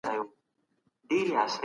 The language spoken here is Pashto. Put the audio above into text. محلي حاکمان د خپلو ګټو ساتنه کوي.